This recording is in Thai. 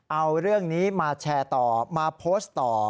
เอาเรื่องนี้มาแชร์ต่อมาโพสต์ต่อ